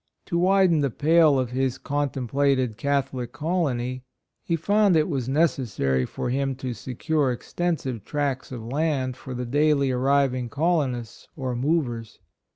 To widen the pale of his contem plated Catholic colony, he found it was necessary for him to secure ex tensive tracts of land for the daily arriving colonists or "movers."